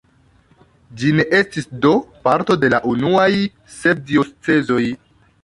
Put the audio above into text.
Ĝi ne estis do parto de la unuaj sep diocezoj.